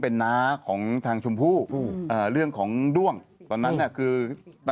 พลิกต๊อกเต็มเสนอหมดเลยพลิกต๊อกเต็มเสนอหมดเลย